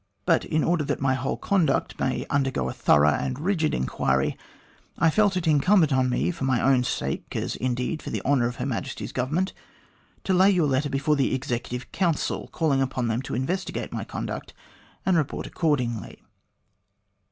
" But in order that my whole conduct may undergo a thorough and rigid inquiry, I felt it incumbent on me for my own sake, as indeed for the honour of Her Majesty's Government, to lay your letter before the Executive Council, calling upon them to investi gate my conduct and report accordingly.